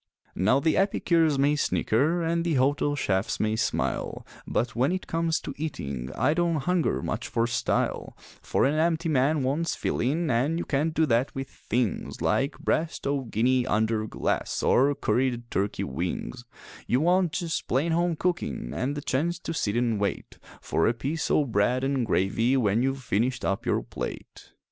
Now the epicures may snicker and the hotel chefs may smile, But when it comes to eating I don't hunger much for style; For an empty man wants fillin' an' you can't do that with things Like breast o' guinea under glass, or curried turkey wings You want just plain home cookin' an' the chance to sit an' wait For a piece o' bread an' gravy when you've finished up your plate.